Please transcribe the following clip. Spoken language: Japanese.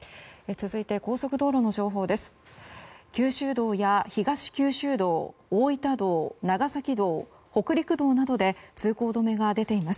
続いて、高速道路の情報です。